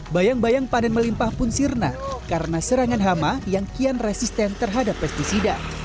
bayang bayang panen melimpah pun sirna karena serangan hama yang kian resisten terhadap pesticida